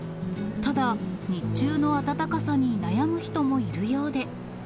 ただ、日中の暖かさに悩む人もいるようで。